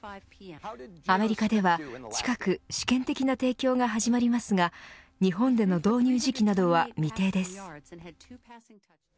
アメリカでは近く試験的な提供が始まりますが日本での導入時期などは未定です。